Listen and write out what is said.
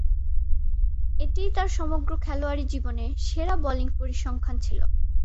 এটিই তার সমগ্র খেলোয়াড়ী জীবনে সেরা বোলিং পরিসংখ্যান ছিল।